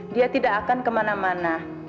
dia tidak akan kemana mana